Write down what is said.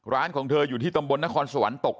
ร้านของเธอยู่ที่ต่ำบนนะครณสวรรค์